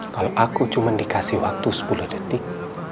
kalau aku cuma dikasih waktu sepuluh detik